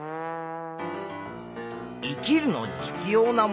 生きるのに必要なものは？